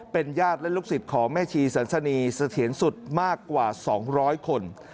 เป็นญาติและลูกศิษย์ของแม่ชีสันสนีเสถียรสุดมากกว่า๒๐๐คน